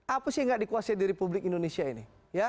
apa sih yang gak dikuasai di republik indonesia ini